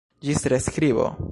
Ĝis reskribo!